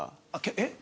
えっ？